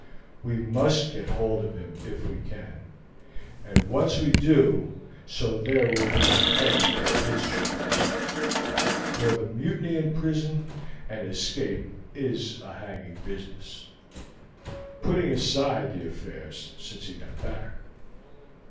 We must get hold of him if we can, and once we do so there will be an end of his travels, for the mutiny in prison and escape is a hanging business, putting aside the affairs since he got back.